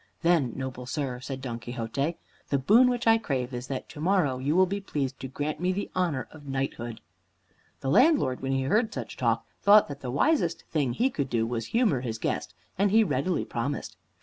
"Then, noble sir," said Don Quixote, "the boon which I crave is that to morrow you will be pleased to grant me the honor of knighthood." The landlord, when he heard such talk, thought that the wisest thing he could do was to humor his guest, and he readily promised.